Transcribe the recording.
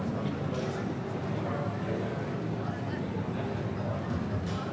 terlihat ada kapolri di sana